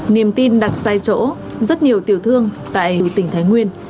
niềm tin đặt sai chỗ rất nhiều tiểu thương tại tỉnh thái nguyên